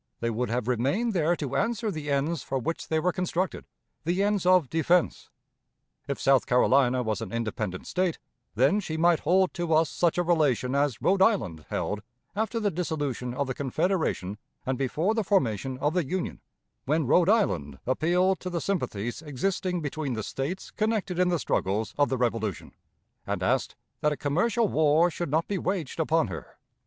They would have remained there to answer the ends for which they were constructed the ends of defense. If South Carolina was an independent State, then she might hold to us such a relation as Rhode Island held after the dissolution of the Confederation and before the formation of the Union, when Rhode Island appealed to the sympathies existing between the States connected in the struggles of the Revolution, and asked that a commercial war should not be waged upon her.